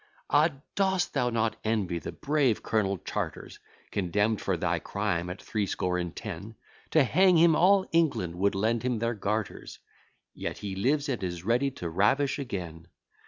Ah! dost thou not envy the brave Colonel Chartres, Condemn'd for thy crime at threescore and ten? To hang him, all England would lend him their garters, Yet he lives, and is ready to ravish again.